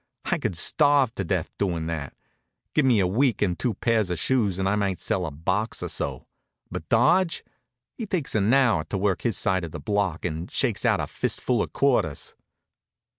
I could starve to death doing that. Give me a week and two pairs of shoes and I might sell a box or so; but Dodge, he takes an hour to work his side of the block and shakes out a fist full of quarters.